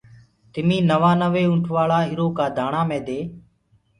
تميٚ نوآنوي اُنٚٺوآݪا ايٚرو ڪآ دآڻآ مي دي